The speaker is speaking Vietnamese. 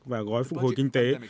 và gói phục hồi kinh tế